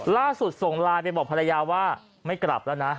ส่งไลน์ไปบอกภรรยาว่าไม่กลับแล้วนะ